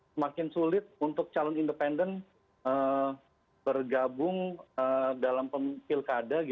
semakin sulit untuk calon independen bergabung dalam pilkada